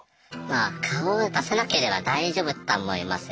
まあ顔を出さなければ大丈夫だと思います。